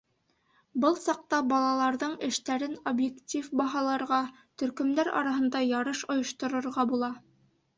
Был саҡта балаларҙың эштәрен объектив баһаларға, төркөмдәр араһында ярыш ойошторорға була.